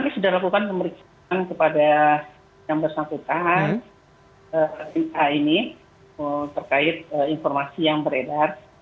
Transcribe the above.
kami sudah lakukan pemeriksaan kepada yang bersangkutan ma ini terkait informasi yang beredar